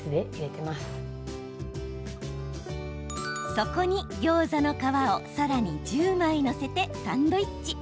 そこに、ギョーザの皮をさらに１０枚載せてサンドイッチ。